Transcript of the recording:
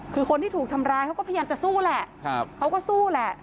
คือคนที่ถูกทำร้ายเขาก็พยายามจะสู้แหละเขาก็สู้แหละ